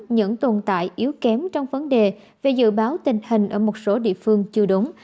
những tồn tại yếu kém trong vấn đề về dự báo tình hình ở một số địa phương chưa đúng